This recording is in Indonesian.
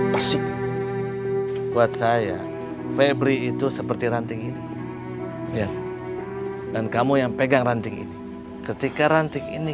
bersih buat saya febri itu seperti ranting ini ya dan kamu yang pegang ranting ini ketika ranting ini